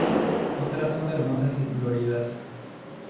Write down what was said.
Otras son hermosas y floridas.